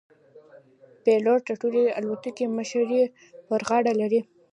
پیلوټ د ټولې الوتکې مشري پر غاړه لري.